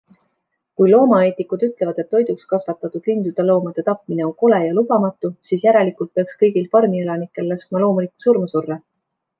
Kui loomaeetikud ütlevad, et toiduks kasvatatud lindude-loomade tapmine on kole ja lubamatu, siis järelikult peaks kõigil farmielanikel laskma loomulikku surma surra.